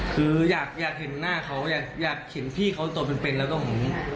คืออยากเห็นหน้าเขาอยากเห็นพี่เขาตัวเป็นแล้วก็